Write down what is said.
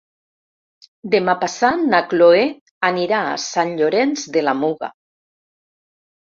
Demà passat na Cloè anirà a Sant Llorenç de la Muga.